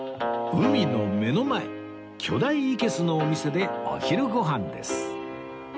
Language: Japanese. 海の目の前巨大生簀のお店でお昼ご飯です